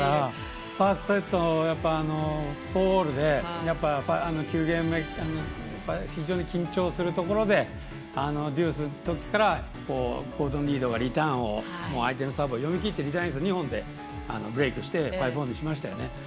ファーストセット４０−４０で、９ゲーム目非常に緊張するところでデュースのときからゴードン・リードがリターンを相手のサーブを読みきってリターンエース２本でブレークしましたよね。